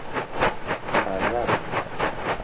ئازا بن.